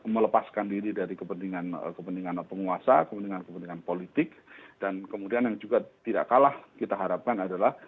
melepaskan diri dari kepentingan penguasa kepentingan kepentingan politik dan kemudian yang juga tidak kalah kita harapkan adalah